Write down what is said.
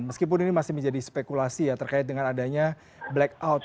meskipun ini masih menjadi spekulasi ya terkait dengan adanya blackout